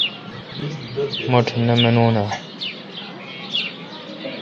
مہ ٹھ نہ منون اہ؟